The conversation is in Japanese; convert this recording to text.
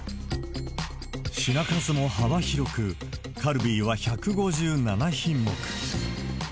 品数も幅広く、カルビーは１５７品目。